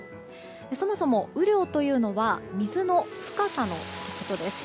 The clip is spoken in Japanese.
そもそも雨量というのは水の深さのことです。